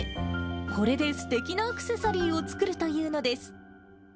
これですてきなアクセサリーを作るというのです。